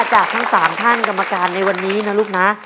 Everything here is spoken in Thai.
จากทั้ง๓ท่านกรรมการในวันนี้นะลูกนะ